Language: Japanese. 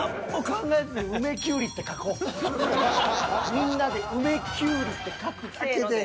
みんなで「梅きゅうり」って書くだけで。